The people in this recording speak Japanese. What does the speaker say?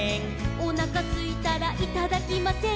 「おなかすいたらいただきません」